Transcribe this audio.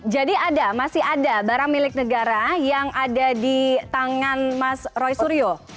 jadi ada masih ada barang milik negara yang ada di tangan mas roy suryo